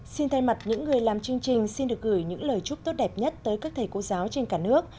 xin thay mặt những người làm chương trình xin được gửi những lời chúc tốt đẹp nhất tới các thầy cô giáo trên cả nước